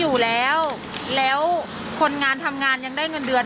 หยุดหนอไม่เกี่ยวหรือ